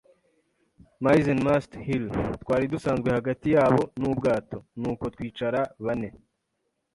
Mizzen- mast Hill. Twari dusanzwe hagati yabo n'ubwato; nuko twicara bane